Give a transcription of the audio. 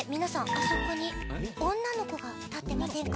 あそこに女の子が立ってませんか？